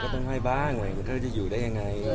ต้องให้บ้างแล้วจะอยู่ได้ยังไง